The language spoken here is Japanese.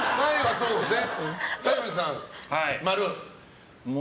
そうですね。